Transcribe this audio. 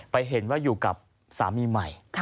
ไปเห็นว่าอยู่กับสามีใหม่